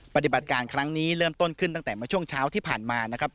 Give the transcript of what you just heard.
ปฏิบัติการครั้งนี้เริ่มต้นขึ้นตั้งแต่เมื่อช่วงเช้าที่ผ่านมานะครับ